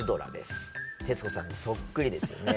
徹子さんにそっくりですよね。